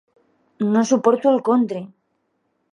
No suporto el country!